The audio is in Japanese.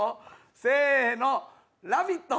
せーの、「ラヴィット！」。